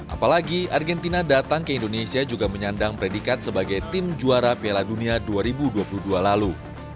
apalagi argentina datang ke indonesia juga menyandang predikat sebagai tim juara piala dunia dua ribu dua puluh dua lalu